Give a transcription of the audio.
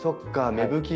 芽吹きが。